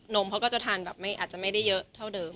มเขาก็จะทานแบบอาจจะไม่ได้เยอะเท่าเดิม